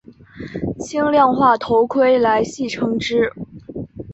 轻量化头盔来戏称之。